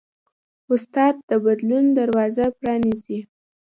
استاد د بدلون دروازه پرانیزي.